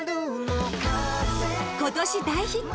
今年大ヒット